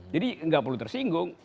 jadi enggak perlu tersinggung